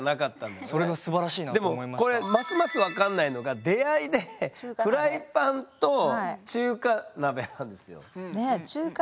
でもこれますます分かんないのが出会いでフライパンと中華鍋なんですよ。